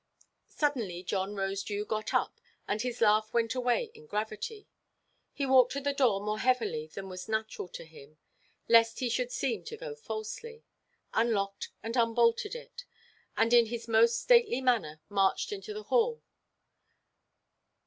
Suddenly John Rosedew got up, and his laugh went away in gravity. He walked to the door more heavily than was natural to him (lest he should seem to go falsely), unlocked and unbolted it, and in his most stately manner marched into the hall.